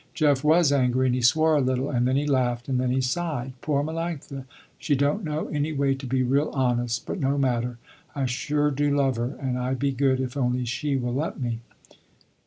Jeff was angry and he swore a little, and then he laughed, and then he sighed. "Poor Melanctha, she don't know any way to be real honest, but no matter, I sure do love her and I be good if only she will let me."